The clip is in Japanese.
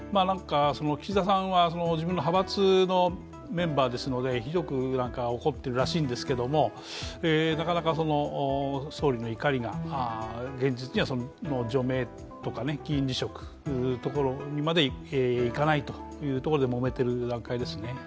岸田さんは自分の派閥のメンバーですので、ひどく怒っているらしいんですけどなかなか総理の怒りが現実には除名とか議員辞職というところにまでいかないというところでもめている段階ですね。